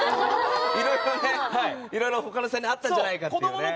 いろいろ他の才能があったんじゃないかっていうね。